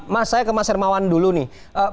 mas saya ke mas hermawan dulu nih